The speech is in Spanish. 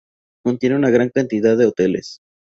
Contiene una gran cantidad de hoteles.